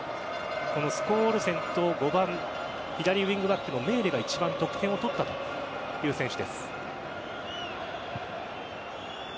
このスコウオルセンと５番・左ウイングバックのメーレが一番得点を取ったという選手です。